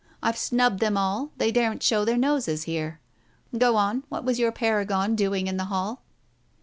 I've snubbed them all, they daren't show their noses here. Go on. What was your paragon doing in the hall